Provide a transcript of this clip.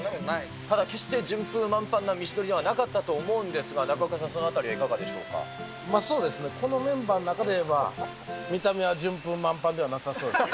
ただ、決して順風満帆な道のりではなかったと思うんですが、中岡さん、まあそうですね、このメンバーの中で言えば、見た目は順風満帆ではなさそうですね。